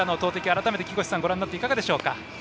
改めてご覧になっていかがでしょうか？